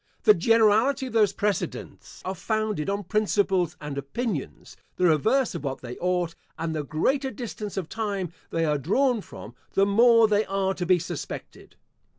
The generality of those precedents are founded on principles and opinions, the reverse of what they ought; and the greater distance of time they are drawn from, the more they are to be suspected.